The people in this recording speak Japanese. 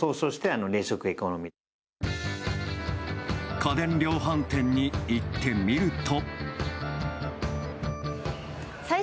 家電量販店に行ってみると。